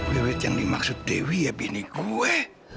wewet yang dimaksud dewi ya bini gue